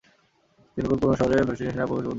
তিনি এরপর পুরনো শহরে ফরাসি সেনা প্রবেশ বন্ধ করেন।